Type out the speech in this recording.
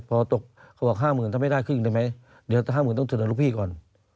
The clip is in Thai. พอตกเขาบอกห้าหมื่นถ้าไม่ได้ขึ้นอีกได้ไหมเดี๋ยวห้าหมื่นต้องเชิญกับลูกพี่ก่อน